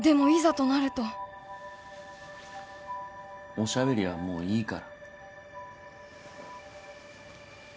おしゃべりはもういいから。